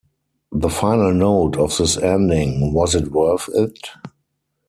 The final note of this ending: Was it worth it?